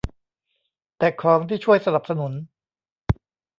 แต่ของที่ช่วยสนับสนุน